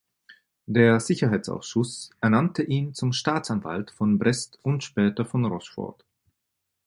Der Sicherheitsausschuss ernannte ihn zum Staatsanwalt von Brest und später von Rochefort.